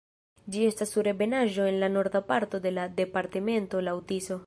Ĝi situas sur ebenaĵo en la norda parto de la departemento laŭ Tiso.